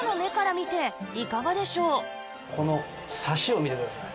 このサシを見てください。